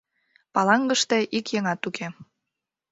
Палангыште ик еҥат уке.